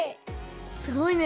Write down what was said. すごいね。